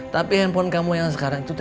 tapi handphone kamu yang sekarang itu